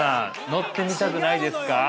乗ってみたくないですか。